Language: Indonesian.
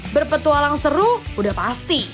berpetualang seru sudah pasti